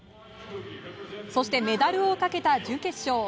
そしてメダルをかけた準決勝。